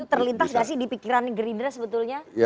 terlintas nggak sih di pikiran gerindra sebetulnya